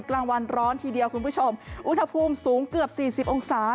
กลางวันร้อนทีเดียวคุณผู้ชมอุณหภูมิสูงเกือบ๔๐องศา